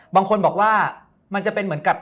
บางคนบอกว่ามันจะเป็นเหมือนกับ